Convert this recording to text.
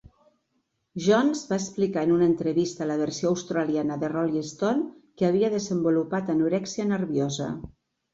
Johns va explicar en una entrevista a la versió australiana de "Rolling Stone" que havia desenvolupat anorèxia nerviosa.